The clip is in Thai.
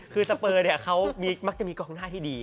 คือสเปอร์เนี่ยเขามักจะมีกองหน้าที่ดี